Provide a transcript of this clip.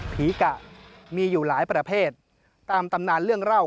ผีกะมีอยู่หลายประเภท